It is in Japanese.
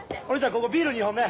ここビール２本ね。